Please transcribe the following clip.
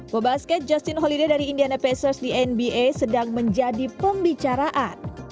boba basket justin holliday dari indiana pacers di nba sedang menjadi pembicaraan